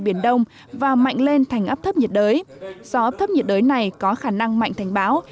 nghệ đông và mạnh lên thành áp thấp nhiệt đới do áp thấp nhiệt đới này có khả năng mạnh thành báo